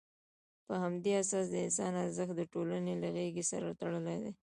په همدې اساس، د انسان ارزښت د ټولنې له غېږې سره تړلی دی.